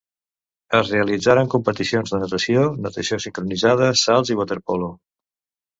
Es realitzaren competicions de natació, natació sincronitzada, salts i waterpolo.